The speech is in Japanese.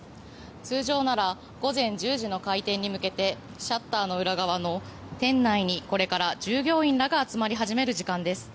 通常なら午前１０時の開店に向けてシャッターの裏側の店内にこれから従業員らが集まり始める時間帯です。